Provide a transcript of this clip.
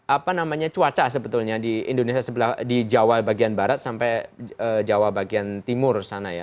apa namanya cuaca sebetulnya di indonesia sebelah di jawa bagian barat sampai jawa bagian timur sana ya